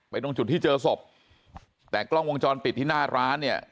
ตรงจุดที่เจอศพแต่กล้องวงจรปิดที่หน้าร้านเนี่ย